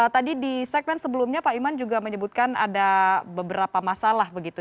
tadi di segmen sebelumnya pak iman juga menyebutkan ada beberapa masalah begitu